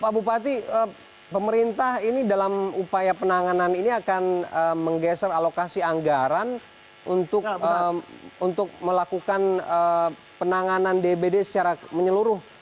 pak bupati pemerintah ini dalam upaya penanganan ini akan menggeser alokasi anggaran untuk melakukan penanganan dbd secara menyeluruh